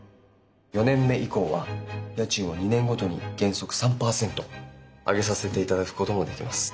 ４年目以降は家賃を２年ごとに原則３％上げさせていただくこともできます。